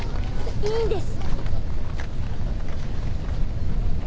いいんです。